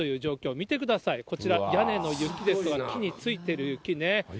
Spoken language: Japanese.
見てください、こちら、屋根の上ですとか、木についている雪ね。